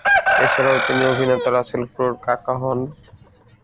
এছাড়াও তিনি অভিনেতা রাসেল ক্রো’র কাকা হন।